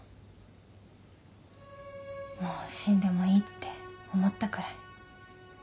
もう死んでもいいって思ったくらい。